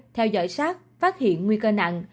theo dõi sát phát hiện nguy cơ nặng